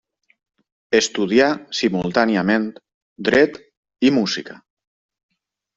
Estudià simultàniament Dret i Música.